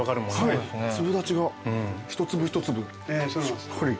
はい粒立ちが一粒一粒しっかり。